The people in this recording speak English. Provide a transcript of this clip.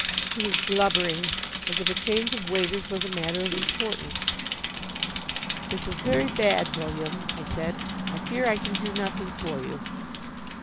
He was blubbering, as if a change of waiters was a matter of importance. "This is very bad, William," I said. "I fear I can do nothing for you."